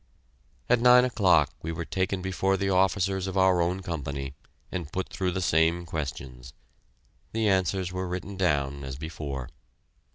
At nine o'clock we were taken before the officers of our own Company, and put through the same questions. The answers were written down, as before.